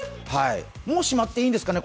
もうしまっていいんですかね？